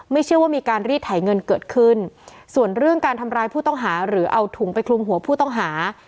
เชื่อว่ามีการรีดไถเงินเกิดขึ้นส่วนเรื่องการทำร้ายผู้ต้องหาหรือเอาถุงไปคลุมหัวผู้ต้องหา